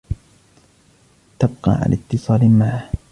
تبقى على اتصال معه.